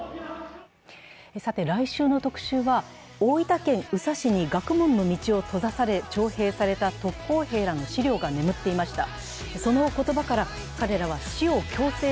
来週の特集は、大分県宇佐市に学問の道を閉ざされ、徴兵された特攻兵らの資料が眠っていました。